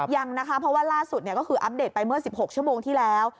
ยังนะคะเพราะว่าล่าสุดก็คืออัปเดตไปเมื่อ๑๖ชั่วโมงที่แล้ว